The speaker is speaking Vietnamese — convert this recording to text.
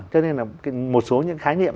cho nên là một số những khái niệm